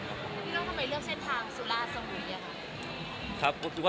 พี่น้องทำไมเลือกเส้นทางสูราชสมุย